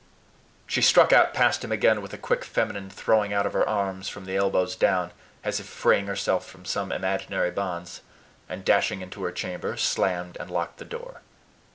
She struck out past him again with a quick feminine throwing out of her arms from the elbows down, as if freeing herself from some imaginary bonds, and dashing into her chamber, slammed and locked the door.